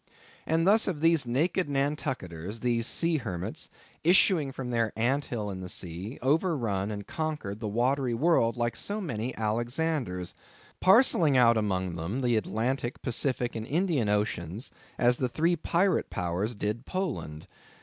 And thus have these naked Nantucketers, these sea hermits, issuing from their ant hill in the sea, overrun and conquered the watery world like so many Alexanders; parcelling out among them the Atlantic, Pacific, and Indian oceans, as the three pirate powers did Poland.